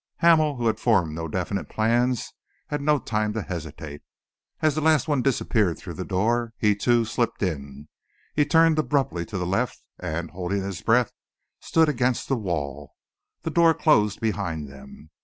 Hamel, who had formed no definite plans, had no time to hesitate. As the last one disappeared through the door, he, too, slipped in. He turned abruptly to the left and, holding his breath, stood against the wall. The door closed behind them.